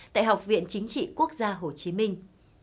tại học viện chính trị quốc gia hồ chí minh